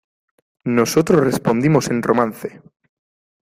nosotros respondimos en romance: